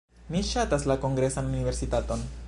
Mi ŝatas la Kongresan Universitaton.